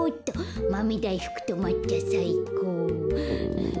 マメだいふくとまっちゃさいこう。